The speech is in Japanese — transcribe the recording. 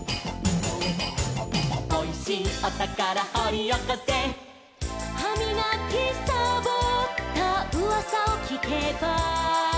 「おいしいおたからほりおこせ」「はみがきさぼったうわさをきけば」